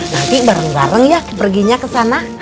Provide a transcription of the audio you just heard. nanti bareng bareng ya perginya ke sana